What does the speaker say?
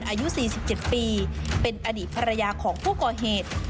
อายุสี่สิบเจ็ดปีเป็นอดีตภรรยาของผู้ก่อเหตุ